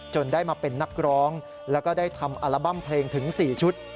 ได้มาเป็นนักร้องแล้วก็ได้ทำอัลบั้มเพลงถึง๔ชุด